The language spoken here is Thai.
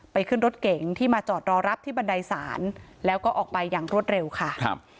ขึ้นรถเก๋งที่มาจอดรอรับที่บันไดศาลแล้วก็ออกไปอย่างรวดเร็วค่ะครับ